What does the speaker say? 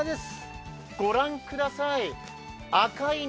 御覧ください。